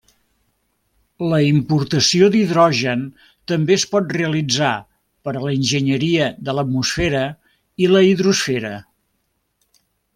La importació d'hidrogen també es pot realitzar per a l'enginyeria de l'atmosfera i la hidrosfera.